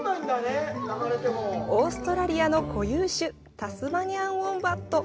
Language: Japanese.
オーストラリアの固有種タスマニアンウォンバット。